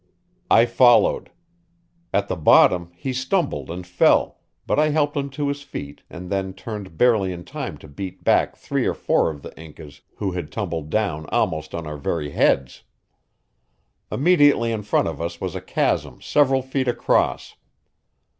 I followed. At the bottom he stumbled and fell, but I helped him to his feet and then turned barely in time to beat back three or four of the Incas who had tumbled down almost on our very heads. Immediately in front of us was a chasm several feet across.